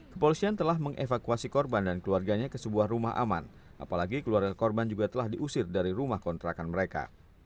kepolisian telah mengevakuasi korban dan keluarganya ke sebuah rumah aman apalagi keluarga korban juga telah diusir dari rumah kontrakan mereka